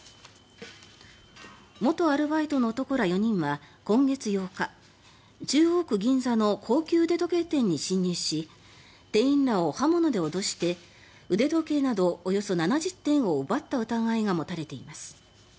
元アルバイトの男ら４人は今月８日中央区銀座の高級腕時計店に侵入し店員らを刃物で脅して腕時計などおよそ７０点を奪った疑いが持たれています。